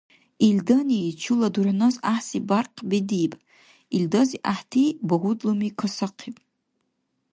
Илдани чула дурхӀнас гӀяхӀси бяркъ бедиб, илдази гӀяхӀти багьудлуми касахъиб.